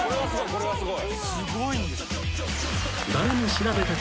これはすごい。